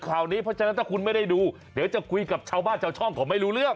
ข่าวนี้เพราะฉะนั้นถ้าคุณไม่ได้ดูเดี๋ยวจะคุยกับชาวบ้านชาวช่องเขาไม่รู้เรื่อง